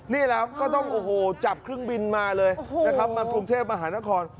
นี่แหละก็ต้องจับเครื่องบินมาเลยมากรุงเทพมาหานคร